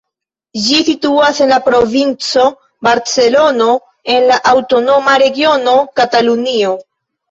Ĝi situas en la Provinco Barcelono, en la aŭtonoma regiono Katalunio.